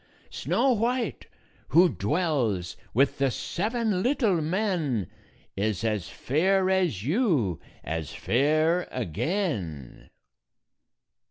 Snow White, who dwells with the seven little men, Is as fair as you, as fair again."